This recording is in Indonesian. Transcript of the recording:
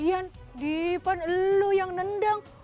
ian depan lu yang nendang